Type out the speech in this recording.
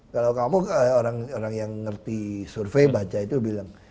kalau kamu orang yang ngerti survei baca itu bilang